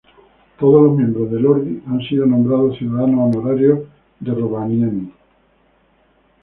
Todos los miembros de Lordi han sido nombrados ciudadanos honorarios de Rovaniemi.